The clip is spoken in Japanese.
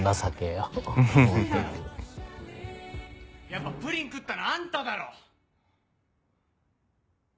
やっぱプリン食ったのあんただろ？